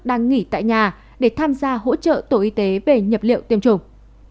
đang nghỉ tại nhà để tham gia hỗ trợ tổ y tế về nhập liệu tiêm chủng